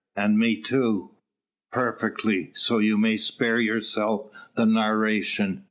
And me too?" "Perfectly; so you may spare yourself the narration.